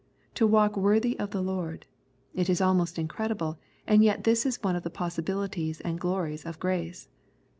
To walk worthy of the Lord — it is almost incredible, and yet this is one of the possibilities and glories of grace.